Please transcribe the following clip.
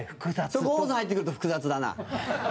そこ、王さん入ってくると複雑だな。